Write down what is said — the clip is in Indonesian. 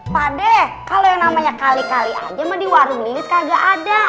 pade kalau yang namanya kali kali aja mah di warung lilis kagak ada